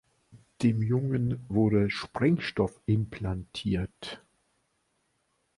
Dem Jungen wurde Sprengstoff implantiert.